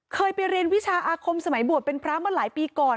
เคยไปเรียนวิชาอาคมสมัยบวชเป็นพระมาหลายปีก่อน